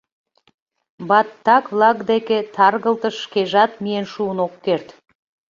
“Баттак-влак деке таргылтыш шкежат миен шуын ок керт.